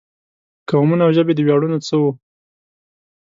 قومونه او ژبې د ویاړونو څه وو.